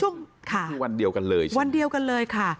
นี่คือวันเดียวกันเลยใช่ไหมวันเดียวกันเลยค่ะ